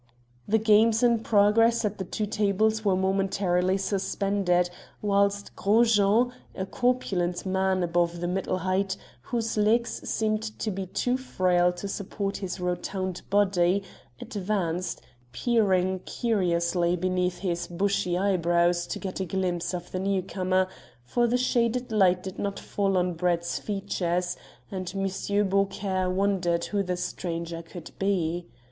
The games in progress at the two tables were momentarily suspended, whilst Gros Jean, a corpulent man above the middle height, whose legs seemed to be too frail to support his rotund body, advanced, peering curiously beneath his bushy eyebrows to get a glimpse of the newcomer, for the shaded light did not fall on Brett's features, and M. Beaucaire wondered who the stranger could be.